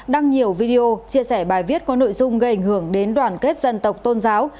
đăng nhiều video chia sẻ bài viết có nội dung gây ảnh hưởng đến đoàn kết dân tộc tôn giáo